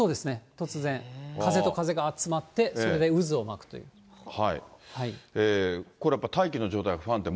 突然、風と風が集まって、それでこれ、やっぱ大気の状態が不安定。